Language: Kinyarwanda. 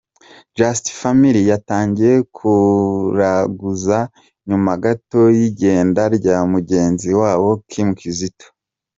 Just Family yatangiye kuraguza nyuma gato y’igenda rya mugenzi wabo Kim Kizito.